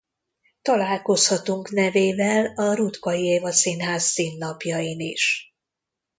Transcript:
Találkozhatunk nevével a Ruttkai Éva Színház színlapjain is.